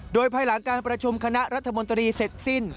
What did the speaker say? โดยภายหลังการประชุมคณะรัฐมนตรีเสร็จสิ้น